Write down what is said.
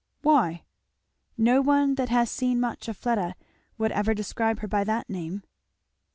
"Why?" "No one that has seen much of Fleda would ever describe her by that name."